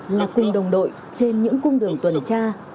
là cùng đồng đội trên những cung đường tuần tra